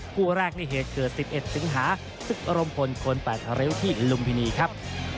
คู่แรกนี่เหตุเกิด๑๑สิงหาศึกรมพลคนแปดริ้วที่ลุมพินีครับ